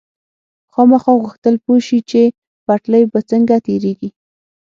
خاما غوښتل پوه شي چې پټلۍ به څنګه تېرېږي.